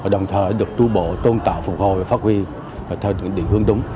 đồng thời được tu bổ tôn tạo phục hồi và phát huy theo định hướng đúng